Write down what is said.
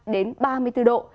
đến ba mươi bốn độ